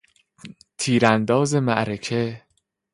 تیرانداز معرکه